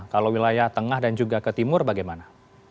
kalau wilayah tengah dan juga ke timur bagaimana